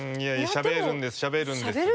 しゃべるんです！